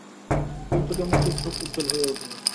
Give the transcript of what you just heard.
কৌতুকে মতির চোখ উজ্জ্বল হইয়া উঠিল।